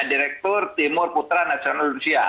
direktur timur putra nasional rusia